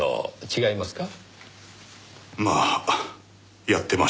違いますか？